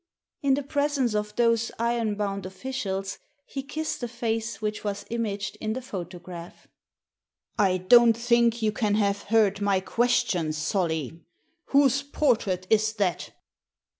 In the presence of those iron bound officials he kissed the face which was imaged in the photograph. "I don't think you can have heard my question, Solly. Whose portrait is that?"